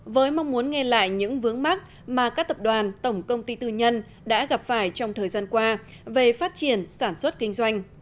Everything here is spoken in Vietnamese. với mong muốn nghe lại những vướng mắt mà các tập đoàn tổng công ty tư nhân đã gặp phải trong thời gian qua về phát triển sản xuất kinh doanh